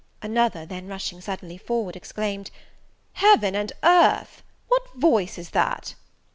Another then rushing suddenly forward, exclaimed, "Heaven and earth! What voice is that?